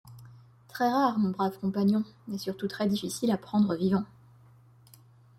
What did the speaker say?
Très-rare, mon brave compagnon, et surtout très-difficile à prendre vivant.